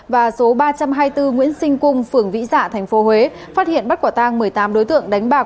và số ba trăm hai mươi bốn nguyễn sinh cung phường vĩ dạ tp huế phát hiện bắt quả tang một mươi tám đối tượng đánh bạc